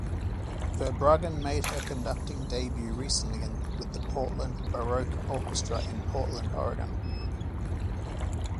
Verbruggen made her conducting debut recently with the Portland Baroque Orchestra in Portland, Oregon.